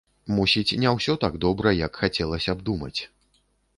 Мусіць, не ўсё так добра, як хацелася б думаць.